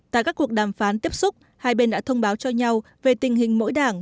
tại các cuộc đàm phán tiếp xúc hai bên đã thông báo cho nhau về tình hình mỗi đảng